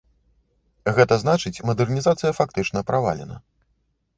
Гэта значыць, мадэрнізацыя фактычна правалена.